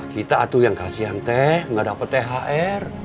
kita atuh yang kasian teh nggak dapat thr